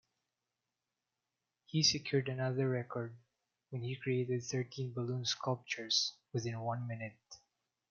He secured another record when he created thirteen balloon sculptures within one minute.